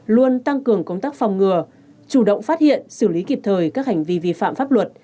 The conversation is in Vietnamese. luôn tăng cường công tác phòng ngừa chủ động phát hiện xử lý kịp thời các hành vi vi phạm pháp luật